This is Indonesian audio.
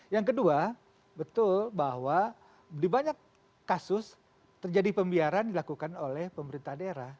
yang kedua betul bahwa di banyak kasus terjadi pembiaran dilakukan oleh pemerintah daerah